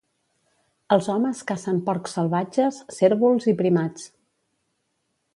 Els homes cacen porcs salvatges, cérvols i primats.